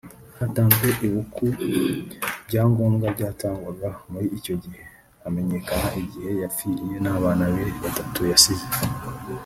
hatanzwe Ibuku (ibyangombwa byatangwaga muri icyo gihe) hamenyekana igihe yapfiriye n’abana be batatu yasize